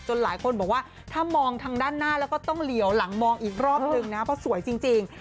หลายคนบอกว่าถ้ามองทางด้านหน้าแล้วก็ต้องเหลียวหลังมองอีกรอบนึงนะเพราะสวยจริง